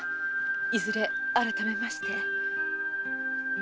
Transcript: いずれ改めまして。